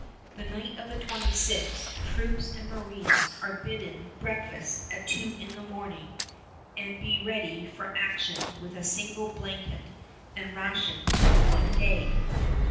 The night of the 26th troops and marines are bidden breakfast at two in the morning, and be ready for action with a single blanket and rations for one day.